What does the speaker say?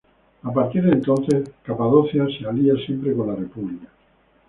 A partir de entonces, Capadocia se alió siempre con la República.